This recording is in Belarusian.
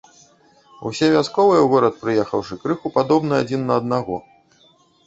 Усе вясковыя, у горад прыехаўшы, крыху падобны адзін на аднаго.